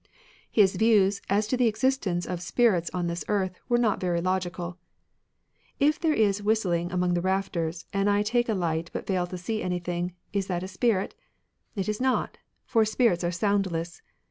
His views as to the existence of spirits on this earth are not very logical :—" If there is whistling^among the rafters, and I take a light but fail to see anything, — is that a spirit ? It is not ; for spirits are soundless.